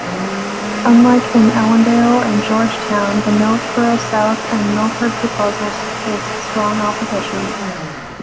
Unlike in Ellendale and Georgetown, the Millsboro-South and Milford proposals faced strong opposition.